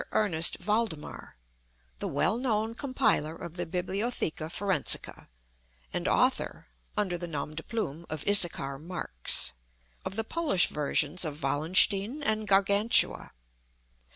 Ernest Valdemar, the well known compiler of the "Bibliotheca Forensica," and author (under the nom de plume of Issachar Marx) of the Polish versions of "Wallenstein" and "Gargantua."